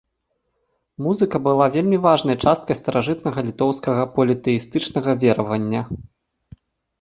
Музыка была вельмі важнай часткай старажытнага літоўскага політэістычнага веравання.